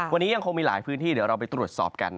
วันนี้ยังคงมีหลายพื้นที่เดี๋ยวเราไปตรวจสอบกัน